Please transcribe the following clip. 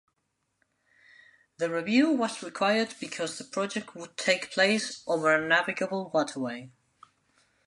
The review was required because the project would take place over a navigable waterway.